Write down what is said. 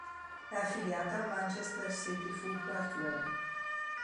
È affiliata al Manchester City Football Club.